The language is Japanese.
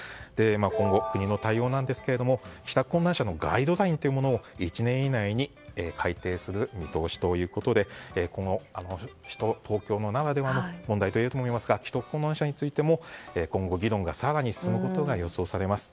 今後、国の対応ですが帰宅困難者のガイドラインというものを１年以内に改定する見通しということで首都・東京ならではの問題といえると思いますが帰宅困難者についても今後、議論が更に進むことが予想されます。